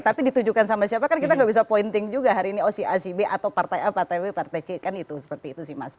tapi ditujukan sama siapa kan kita nggak bisa pointing juga hari ini oh si a si b atau partai a partai b partai c kan itu seperti itu sih mas